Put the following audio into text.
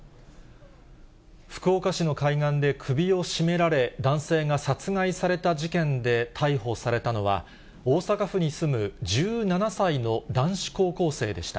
福岡市の海岸で、首を絞められ、男性が殺害された事件で逮捕されたのは、大阪府に住む１７歳の男子高校生でした。